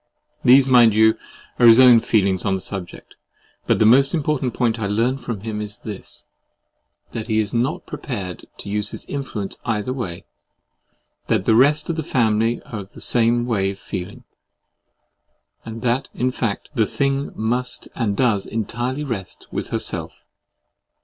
These, mind you, are his own feelings on the subject: but the most important point I learn from him is this, that he is not prepared to use his influence either way—that the rest of the family are of the same way of feeling; and that, in fact, the thing must and does entirely rest with herself.